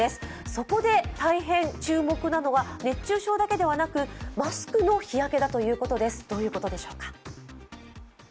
そこで、大変注目なのは熱中症だけではなくマスクの日焼けだということです、どういうことでしょうか？